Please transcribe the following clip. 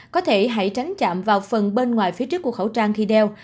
có thể hãy tránh chạm vào phần bên ngoài phía trước của khẩu trang khi đeo